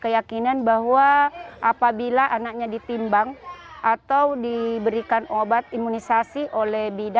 harga jualnya bisa mencapai empat ratus ribu rupiah